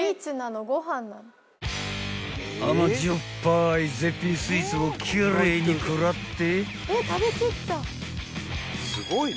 ［甘じょっぱい絶品スイーツも奇麗に食らって］